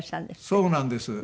そうなんです。